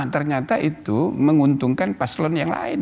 ternyata itu menguntungkan paslon yang lain